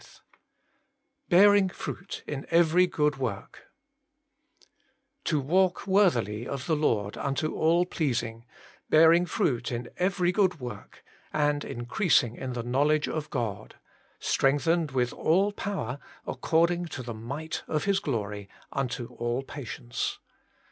XII Bearing jfruit in cvcv^ (Boob Wiovh ' To walk worthily of the Lord unto all pleas ing, bearing fruit in every good work, and in creasing in the knowledge of God ; strengthened with all power, according to the might of His glory, unto all patience.'